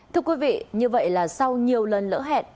thưa quý vị như vậy là sau nhiều lần lỡ hẹn